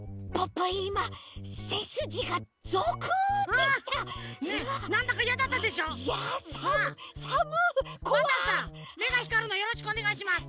パンタンさんめがひかるのよろしくおねがいします。